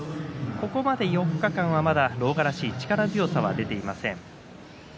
ここまで４日間は狼雅らしい力強さが出ていません。